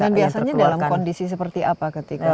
terkeluarkan biasanya dalam kondisi seperti apa